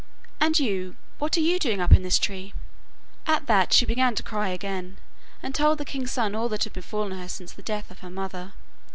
And you what are you doing up in this tree?' At that she began to cry again, and told the king's son all that had befallen her since the death of her mother.